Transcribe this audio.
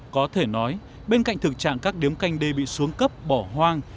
có thể nói bên cạnh thực trạng các điếm canh đê bị xuống cấp bỏ hoang